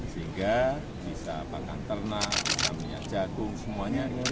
sehingga bisa panggang ternak jatuh semuanya